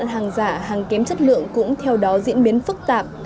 hàng giả hàng kém chất lượng cũng theo đó diễn biến phức tạp